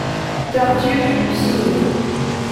Tartufe l'eût signé.